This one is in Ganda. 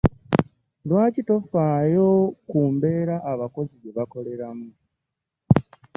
Lwaki tofaayo ku mbeera abakozi gye bakoleramu?